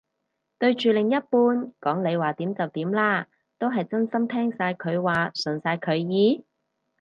對住另一半講你話點就點啦，都係真心聽晒佢話順晒佢意？